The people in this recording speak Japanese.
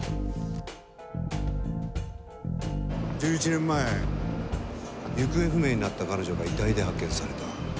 １１年前行方不明になった彼女が遺体で発見された。